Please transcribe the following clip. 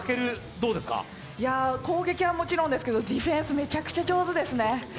攻撃はもちろんですけど、ディフェンス、めちゃくちゃ上手ですね。